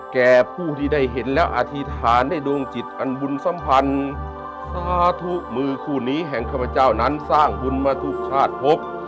แก่ผู้ที่ได้เห็นแล้วอธิษฐานได้ดวงจิตอันบุญสัมพันธ์สาธุมือคู่นี้แห่งข้าพเจ้านั้นสร้างบุญมาทุกชาติพบ